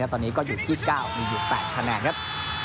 ตอนนี้ก็อยู่ที่๑๙มีอยู่๘คะแนนครับ